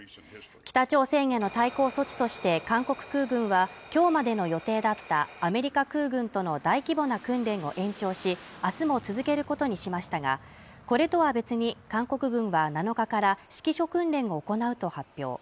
北朝鮮への対抗措置として韓国空軍はきょうまでの予定だったアメリカ空軍との大規模な訓練を延長しあすも続けることにしましたがこれとは別に韓国軍は７日から指揮所訓練を行うと発表